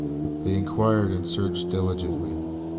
They "inquired and searched diligently